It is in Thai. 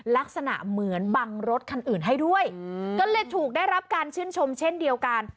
ลักษณะเหมือนบังรถคันอื่นให้ด้วยก็เลยถูกได้รับการชื่นชมเช่นเดียวกัน